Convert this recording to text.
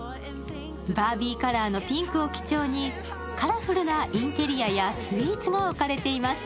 バービーカラーのピンクを基調にカラフルなインテリアやスイーツが置かれています。